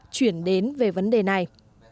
chuyển đến về vấn đề này